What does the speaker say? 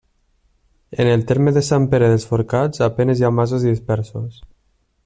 En el terme de Sant Pere dels Forcats a penes hi ha masos dispersos.